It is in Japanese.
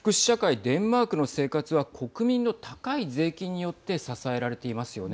デンマークの生活は国民の高い税金によって支えられていますよね。